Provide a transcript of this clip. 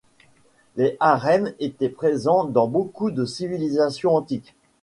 Les harems étaient présents dans beaucoup de civilisations antiques.